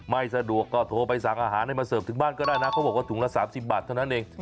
ไม่สะดวกก็โทรไปสั่งอาหารให้มาเสิร์ฟถึงบ้านก็ได้นะเขาบอกว่าถุงละ๓๐บาทเท่านั้นเอง